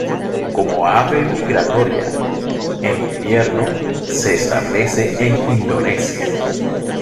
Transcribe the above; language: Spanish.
Como ave migratoria, en invierno se establece en Indonesia.